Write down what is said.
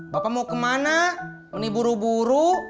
bapak mau kemana ini buru buru